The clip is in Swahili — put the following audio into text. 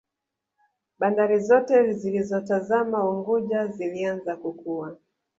Bandari Zote zilizotazama Unguja zilianza kukua